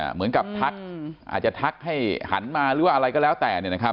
เหมือนกับทักอาจจะทักให้หันมาหรือว่าอะไรก็แล้วแต่